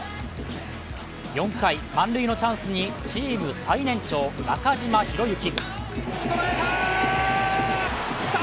４回満塁のチャンスにチーム最年長中島宏之。